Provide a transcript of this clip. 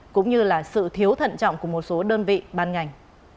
cũng như là sự thiếu thận trọng của một số đơn vị ban ngành